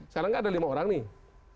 sekarang nggak ada lima orang nih